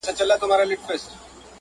سهار اذانونه کېدل چې